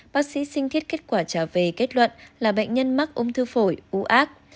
bác sĩ sinh thiết kết quả trả về kết luận là bệnh nhân mắc ung thư phổi u ác